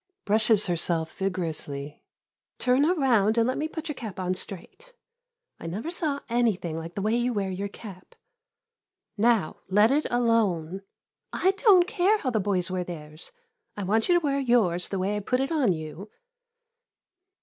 [Brushes herself vigorously.] Turn around and let me put your cap on straight. I never saw anything like the way you wear your cap. Now, let it alone. I don't care how the boys wear theirs — I want you to wear yours the way I put it on you.